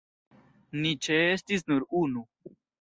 Ni ĉeestis nur unu.